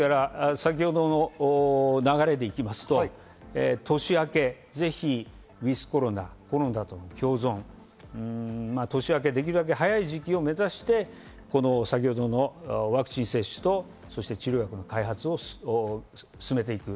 先ほどの流れで行きますと年明け、ぜひｗｉｔｈコロナ、コロナとの共存、年明け、できるだけ早い時期を目指して、ワクチン接種と治療薬の開発を進めていく。